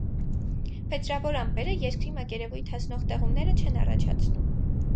Փետրավոր ամպերը երկրի մակերևույթ հասնող տեղումները չեն առաջացնում։